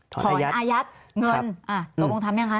อายัดเงินตกลงทำยังคะ